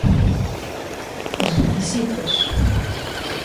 Os requisitos...